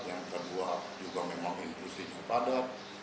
yang kedua juga memang inklusinya padat